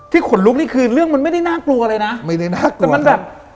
ขนลุกนี่คือเรื่องมันไม่ได้น่ากลัวเลยนะไม่ได้น่ากลัวแต่มันแบบ